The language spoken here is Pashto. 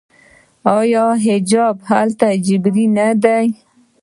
آیا حجاب هلته اجباري نه دی؟